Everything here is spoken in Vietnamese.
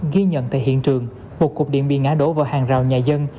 ghi nhận tại hiện trường một cột điện bị ngã đổ vào hàng rào nhà dân